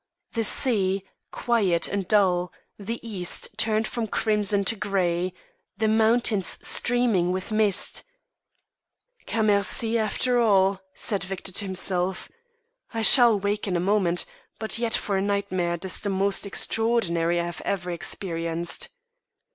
The sea, quiet and dull, the east turned from crimson to grey; the mountains streaming with mist "Cammercy after all!" said Count Victor to himself; "I shall wake in a moment, but yet for a nightmare 'tis the most extraordinary I have ever experienced."